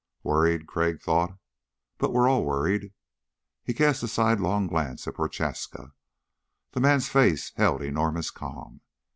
Worried, Crag thought. But we're all worried. He cast a sidelong glance at Prochaska. The man's face held enormous calm.